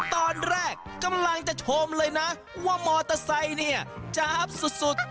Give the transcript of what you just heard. ตอนแรกกำลังจะชมเลยนะว่ามอเตอร์ไซค์เนี่ยจ๊าบสุด